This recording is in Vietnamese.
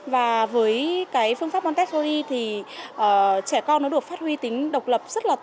và với cái phương pháp montessori thì trẻ con nó được phát huy tính độc lập rất là tốt